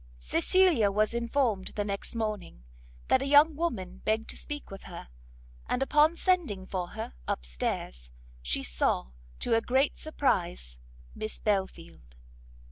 Cecilia was informed the next morning that a young woman begged to speak with her, and upon sending for her up stairs, she saw, to her great surprise, Miss Belfield.